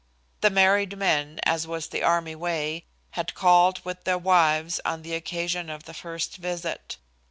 The married men, as was the army way, had called with their wives on the occasion of the first visit.